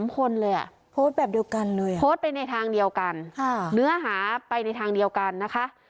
๓คนเลยอะโพสต์ไปในทางเดียวกันเนื้อหาไปในทางเดียวกันนะคะ